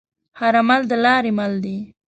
هر عمل دلارې مل دی.